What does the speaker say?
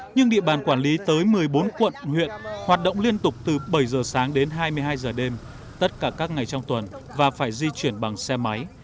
nhưng địa bàn quản lý tới một mươi bốn quận huyện hoạt động liên tục từ bảy giờ sáng đến hai mươi hai giờ đêm tất cả các ngày trong tuần và phải di chuyển bằng xe máy